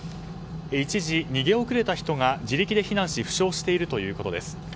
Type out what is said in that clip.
一時、逃げ遅れた人が自力で避難し負傷しているということです。